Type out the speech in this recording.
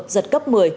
giật cấp một mươi